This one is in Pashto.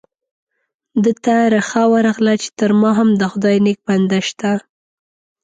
ده ته رخه ورغله چې تر ما هم د خدای نیک بنده شته.